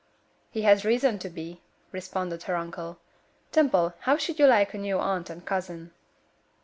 '" "He has reason to be," responded her uncle. "Dimple, how should you like a new aunt and cousin?"